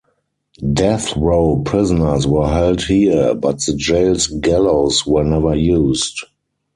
Death row prisoners were held here, but the jail's gallows were never used.